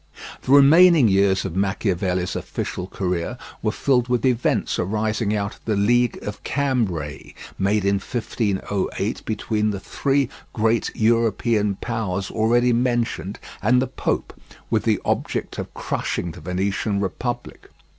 The remaining years of Machiavelli's official career were filled with events arising out of the League of Cambrai, made in 1508 between the three great European powers already mentioned and the pope, with the object of crushing the Venetian Republic.